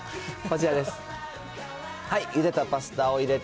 こちらです。